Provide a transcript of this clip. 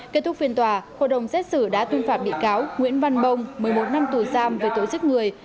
kết thúc phiên tòa hội đồng xét xử đã tuyên phạt bị cáo nguyễn văn bông một mươi một năm tù giam về tội giết người